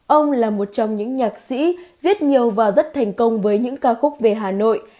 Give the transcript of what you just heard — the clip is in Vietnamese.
ông là một trong những nhạc sĩ viết nhiều và rất thành công với những ca khúc về hà nội